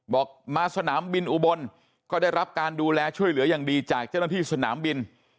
บอกมาสนามบินอุบลก็ได้รับการดูแลช่วยเหลืออย่างดีจากเจ้าหน้าที่สนามบิน